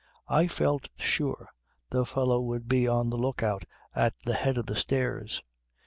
I felt sure the fellow would be on the look out at the head of the stairs.